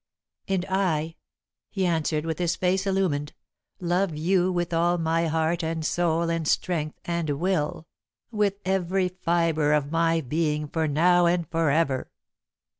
"And I," he answered, with his face illumined, "love you with all my heart and soul and strength and will with every fibre of my being, for now and for ever.